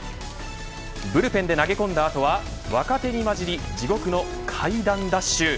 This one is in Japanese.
ブルペンで投げ込んだ後は若手に交じり地獄の階段ダッシュ。